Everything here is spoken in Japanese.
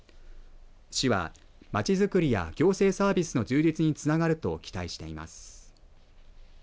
市はまちづくりや行政サービスの充実につながると期待しています。